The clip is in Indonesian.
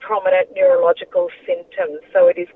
penyakit neurologis yang sangat prominent